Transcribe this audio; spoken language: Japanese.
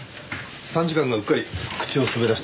参事官がうっかり口を滑らせてくれて。